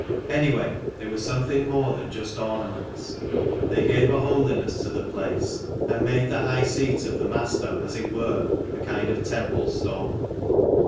Anyway they were something more than just ornaments ; they gave a holiness to the place, and made the high seat of the master as it were a kind of temple stall.